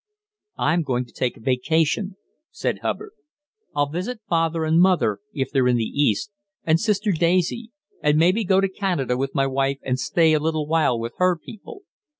"I'm going to take a vacation," said Hubbard. "I'll visit father and mother, if they're in the east, and sister Daisy, and maybe go to Canada with my wife and stay a little while with her people.